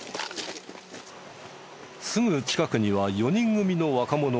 すぐ近くには４人組の若者がいた。